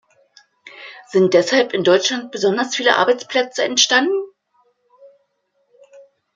Sind deshalb in Deutschland besonders viele Arbeitsplätze entstanden?